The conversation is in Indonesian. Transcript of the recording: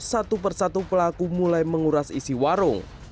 satu persatu pelaku mulai menguras isi warung